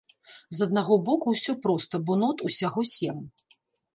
З аднаго боку, усё проста, бо нот усяго сем.